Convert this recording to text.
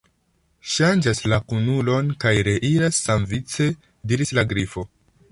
"Ŝanĝas la kunulon kaj reiras samvice," diris la Grifo.